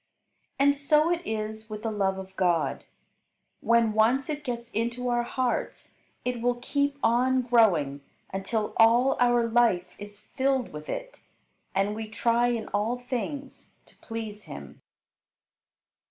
And so it is with the love of God. When once it gets into our hearts it will keep on growing until all our life is filled with it, and we try in all things to please Him.